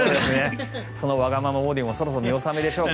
そのわがままボディーもそろそろ見納めでしょうか。